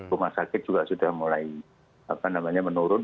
rumah sakit juga sudah mulai menurun